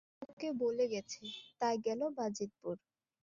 তোকে বলে গেছে, তাই গেল বাজিতপুর!